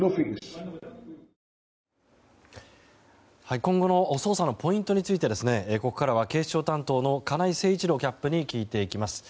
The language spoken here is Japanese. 今後の捜査のポイントについてここからは警視庁担当の金井誠一郎キャップに聞いていきます。